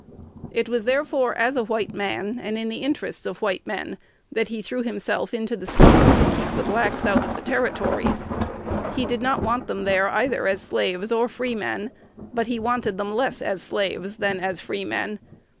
It was therefore as a white man, and in the interests of white men, that he threw himself into the struggle to keep the blacks out of the Territories. He did not want them there either as slaves or freemen; but he wanted them less as slaves than as freemen.